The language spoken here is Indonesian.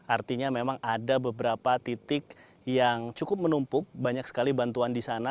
artinya memang ada beberapa titik yang cukup menumpuk banyak sekali bantuan di sana